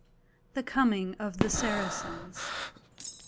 THE COMING OF THE SARACENS.